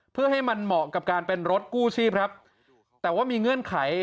เพื่อให้มันเหมาะกับการเป็นรถกู้ชีพครับแต่ว่ามีเงื่อนไข